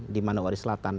di manowari selatan